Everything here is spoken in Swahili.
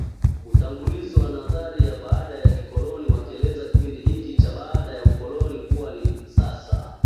Utangulizi wa Nadharia ya Baada ya Kikoloni wanakieleza kipindi hiki cha Baada-ukoloni kuwa ni sasa